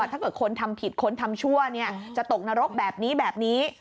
ถ้าเกิดคนทำผิดคนทำชั่วจะตกนรกแบบนี้แบบนี้